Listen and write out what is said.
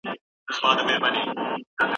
ایا ته په خپله موضوع کي کومه نوې خبره لرې؟